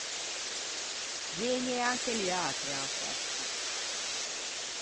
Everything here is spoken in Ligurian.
Vëgne anche liatri a-a festa.